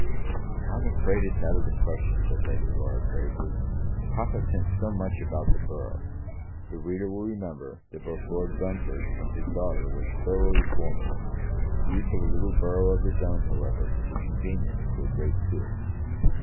"I'm afraid it's out of the question," said Lady Laura, gravely. "Papa thinks so much about the borough." The reader will remember that both Lord Brentford and his daughter were thorough reformers! The use of a little borough of his own, however, is a convenience to a great peer.